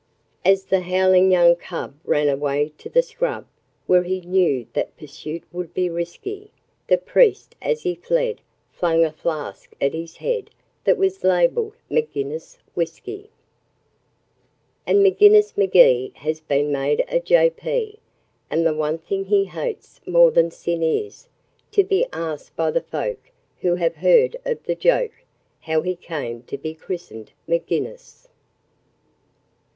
As the howling young cub ran away to the scrub Where he knew that pursuit would be risky, The priest, as he fled, flung a flask at his head That was labelled 'MAGINNIS'S WHISKY'! And Maginnis Magee has been made a J.P., And the one thing he hates more than sin is To be asked by the folk, who have heard of the joke, How he came to be christened 'Maginnis'!